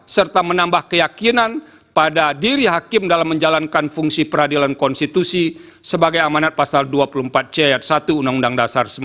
serta menambah keyakinan pada diri hakim dalam menjalankan fungsi peradilan konstitusi sebagai amanat pasal dua puluh empat c ayat satu undang undang dasar seribu sembilan ratus empat puluh lima